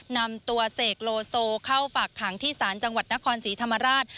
นำตัวเสกโลโซเข้าฝากขังที่ศาลจังหวัดนครศรีธรรมราช